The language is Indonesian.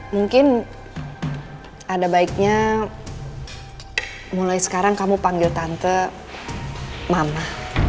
mungkin ada baiknya mulai sekarang kamu panggil tante mama